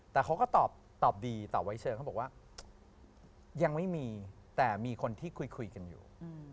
แต่เขาก็ตอบดีตอบไว้เชิงเขาบอกว่ายังไม่มีแต่มีคนที่คุยกันอยู่